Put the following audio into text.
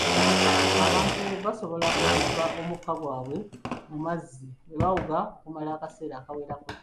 Abantu basobola okusiba omukka gwabwe mu mazzi ne bawuga okumala akaseera akawerako.